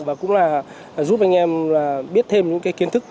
và cũng là giúp anh em biết thêm những cái kiến thức